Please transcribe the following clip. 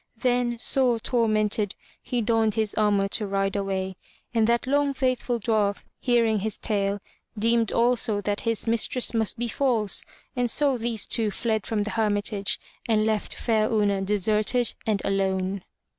Then, sore tormented, he donned his armor to ride away, and that long faithful dwarf, hearing his tale, deemed also that his mistress must be false, and so these two fled from the Herm itage, and left fair Una deserted and alone.